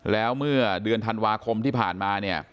แล้วเมื่อเดือนธันวาคมที่ผ่านมาเนี่ย